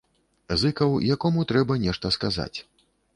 Зыкаў, якому трэба нешта сказаць.